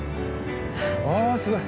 あすごい！